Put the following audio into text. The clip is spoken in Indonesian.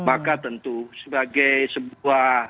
maka tentu sebagai sebuah